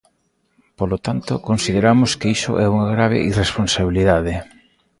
Polo tanto, consideramos que iso é unha grave irresponsabilidade.